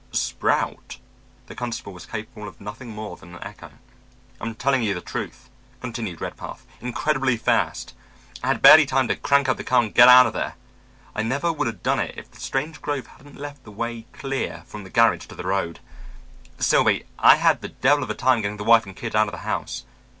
"Sprout?" The constable was capable of nothing more than an echo. "I'm telling you the truth," continued Redpath. "Incredibly fast. I had barely time to crank up the car and get out of there. I never would have done it if the strange growth hadn't left the way clear from the garage to the road. Silby, I had the devil of a time getting the wife and kids out of the house.